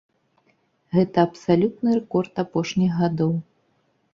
Гэта абсалютны рэкорд апошніх гадоў.